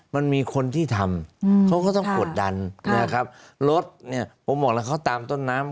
มันมีคนที่ทำเขาก็ต้องกดดันนะครับรถเนี่ยผมบอกแล้วเขาตามต้นน้ำ